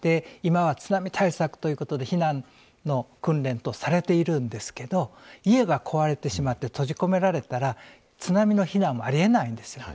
今は津波対策ということで避難の訓練等されているんですが家が壊れてしまって閉じ込められたら津波の避難はありえないんです。